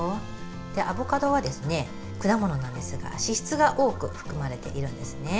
アボカドは果物なんですが脂質が多く含まれているんですね。